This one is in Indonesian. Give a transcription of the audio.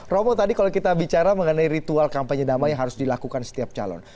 romo tadi kalau kita bicara mengenai ritual kampanye damai yang harus dilakukan setiap calon